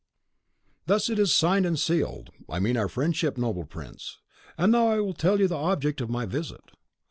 "Thus it is signed and sealed; I mean our friendship, noble prince. And now I will tell you the object of my visit.